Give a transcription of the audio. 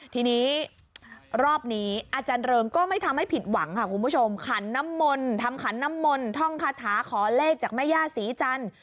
ทีนี้รอบนี้อาจารย์เริงก็ไม่ทำให้ผิดหวังค่ะคุณผู้ชมขันน้ำมนต์ทำขันน้ำมนต์ท่องคาถาขอเลขจากแม่ย่าศรีจันทร์